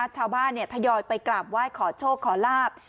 ชาวบ้านถยอยไปกราบว่ายขอโชคขอลาบ